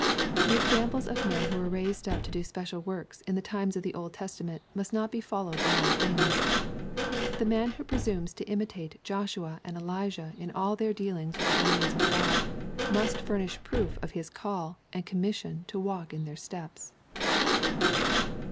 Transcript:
The examples of men who were raised up to do special works in the times of the Old Testament must not be followed in all things. The man who presumes to imitate Joshua and Elijah in all iheir dealings with the enemies of Q od, must furnish proof of his call and commission to walk in their steps.